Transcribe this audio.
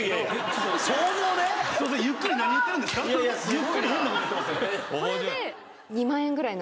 ゆっくり変なこと言ってます。